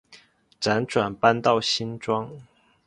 辗转搬到新庄